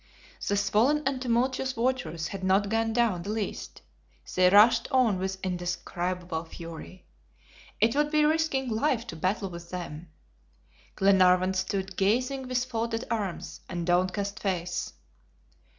The swollen and tumultuous waters had not gone down the least. They rushed on with indescribable fury. It would be risking life to battle with them. Glenarvan stood gazing with folded arms and downcast face.